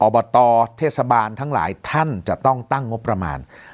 บตเทศบาลทั้งหลายท่านจะต้องตั้งงบประมาณ